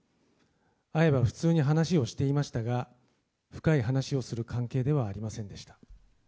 会えば普通に話をしていましたが、深い話をする関係ではありませんでした。